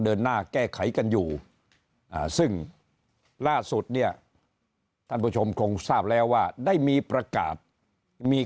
เดินหน้าแก้ไขกันอยู่ซึ่งล่าสุดเนี่ยท่านผู้ชมคงทราบแล้วว่าได้มีประกาศมี